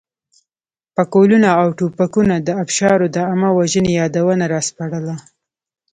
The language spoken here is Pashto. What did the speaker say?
پکولونه او توپکونو د ابشارو د عامه وژنې یادونه راسپړله.